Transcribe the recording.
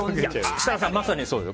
設楽さん、まさにそうです。